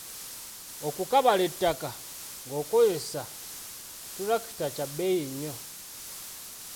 Okukabala ettaka ng'okozesa ttulakita kya bbeeyi nnyo.